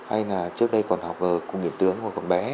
hay là trước đây còn học ở cục biển tướng còn bé